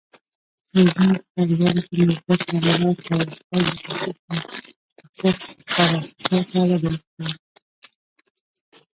د ژوند په تګلاره کې مثبت تغییرات راوستل د شخصیت پراختیا ته وده ورکوي.